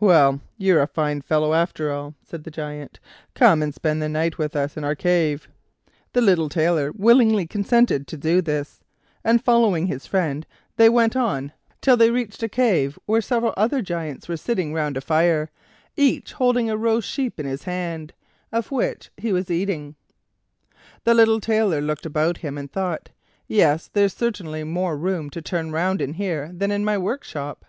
"Well, you're a fine fellow, after all," said the Giant; "come and spend the night with us in our cave." The little Tailor willingly consented to do this, and following his friend they went on till they reached a cave where several other giants were sitting round a fire, each holding a roast sheep in his hand, of which he was eating. The little Tailor looked about him, and thought: "Yes, there's certainly more room to turn round in here than in my workshop."